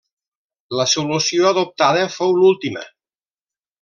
La solució adoptada fou l'última.